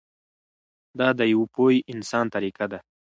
دا د یوه پوه انسان طریقه ده.